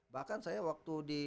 bahkan saya waktu di